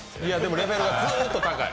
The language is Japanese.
レベルがずっと高い。